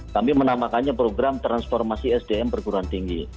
tapi menampakannya program transformasi sdm perguruan tinggi